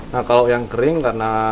nah kalau yang kering karena